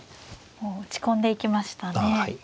もう打ち込んでいきましたね。